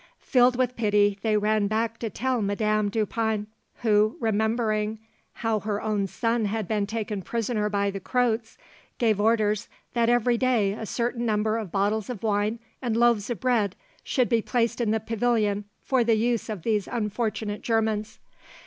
Filled with pity they ran back to tell Madame Dupin, who, remembering how her own son had been taken prisoner by the Croats, gave orders that every day a certain number of bottles of wine and loaves of bread should be placed in the pavilion for the use of these unfortunate Germans.